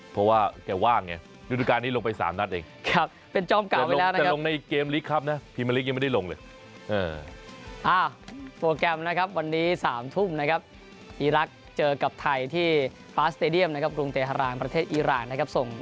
เพราะว่าแกว่างไงฤดูการนี้ลงไป๓นัดเอง